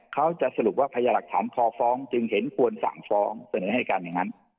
เขาจะสรุปว่าพยาหลักฐานพอฟ้องจึงเห็นควรสั่งฟ้องเสนอให้การอย่างนั้น